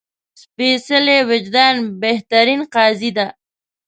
سپېڅلی وجدان بهترین قاضي ده